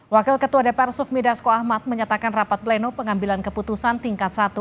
wakil ketua dpr sufmi dasko ahmad menyatakan rapat pleno pengambilan keputusan tingkat satu